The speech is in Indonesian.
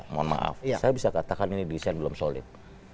mohon maaf saya bisa katakan ini desain belum solid